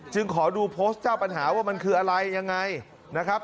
ขอดูโพสต์เจ้าปัญหาว่ามันคืออะไรยังไงนะครับ